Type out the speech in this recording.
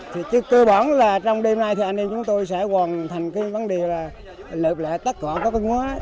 thì chứ cơ bản là trong đêm nay thì anh em chúng tôi sẽ hoàn thành cái vấn đề là lợp lại tất cả các văn hóa